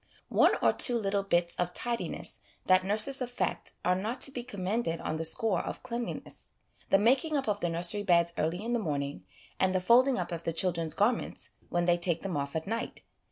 One or two little bits of tidiness that nurses affect are not to be commended on the score of cleanliness : the making up of the nursery beds early in the morning, and the folding up of the children's garments when they take them off at night.